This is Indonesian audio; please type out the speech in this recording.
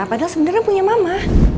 padahal sebenernya punya mama